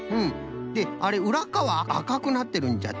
であれうらっかわあかくなってるんじゃって。